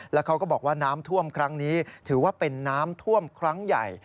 แล้วเขาก็บอกว่าน้ำท่วมครั้งนี้ถือว่าเป็นน้ำท่วมครั้งใหญ่